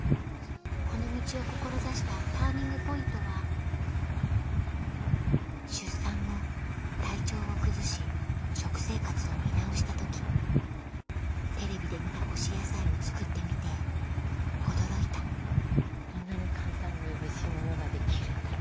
この道を志したＴＵＲＮＩＮＧＰＯＩＮＴはテレビで見た干し野菜を作ってみて驚いたこんなに簡単においしいものができるんだ。